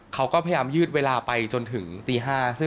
เขาก็พยายามยืดเวลาไปจนถึงตี๕